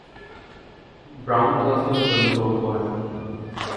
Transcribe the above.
Brown গ্লাসগোতে জন্ম গ্রহণ করেন।